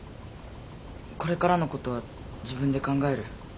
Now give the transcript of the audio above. これからのことは自分で考える。